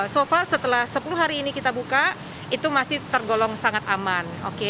so far setelah sepuluh hari ini kita buka itu masih tergolong sangat aman